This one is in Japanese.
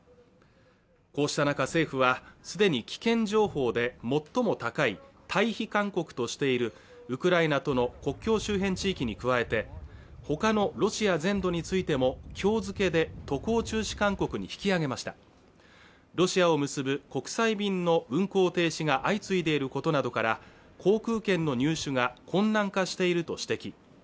こうした中政府はすでに危険情報で最も高い退避勧告としているウクライナとの国境周辺地域に加えてほかのロシア全土についてもきょう付けで渡航中止勧告に引き上げましたロシアを結ぶ国際便の運航停止が相次いでいることなどから航空券の入手が困難化していると指摘